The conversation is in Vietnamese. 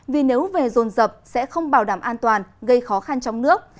vì nếu về dồn dập sẽ không bảo đảm an toàn gây khó khăn trong nước